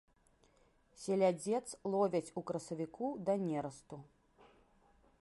Селядзец ловяць у красавіку да нерасту.